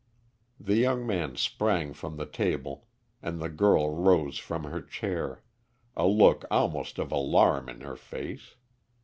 The young man sprang from the table, and the girl rose from her chair, a look almost of alarm in her face.